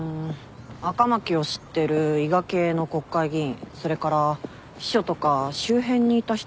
赤巻を知ってる伊賀系の国会議員それから秘書とか周辺にいた人たちかな。